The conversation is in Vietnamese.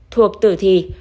thuộc tử thì